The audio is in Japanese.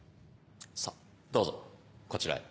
さぁどうぞこちらへ。